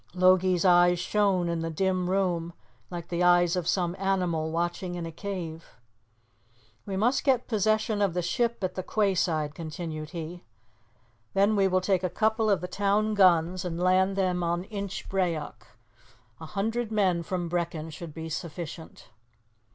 Logie's eyes shone in the dim room like the eyes of some animal watching in a cave. "We must get possession of the ship at the quay side," continued he. "Then we will take a couple of the town guns and land them on Inchbrayock. A hundred men from Brechin should be sufficient."